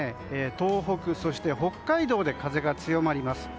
東北、北海道で風が強まります。